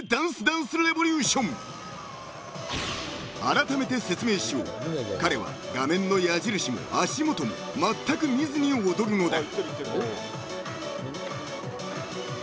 ［あらためて説明しよう彼は画面の矢印も足元もまったく見ずに踊るのだ］